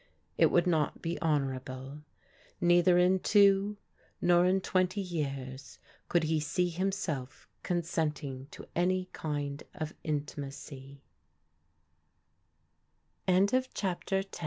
It would not be honourable. Neither in two nor in twenty years could he see himself consenting to any kind oi m\AtcvdiO} rxC\C\^ CHAPTER XI UN